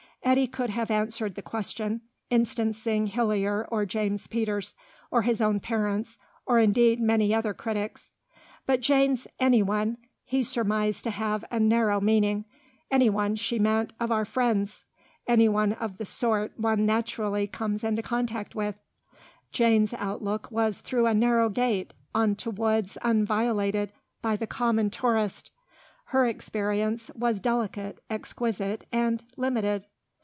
Eddy could have answered the question, instancing Hillier or James Peters, or his own parents or, indeed, many other critics. But Jane's "anyone" he surmised to have a narrow meaning; anyone, she meant, of our friends; anyone of the sort one naturally comes into contact with. (Jane's outlook was through a narrow gate on to woods unviolated by the common tourist; her experience was delicate, exquisite, and limited).